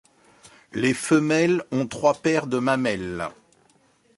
Les femelles ont trois paires de mamelles.